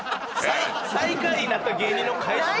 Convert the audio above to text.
最下位になった芸人の返しじゃない。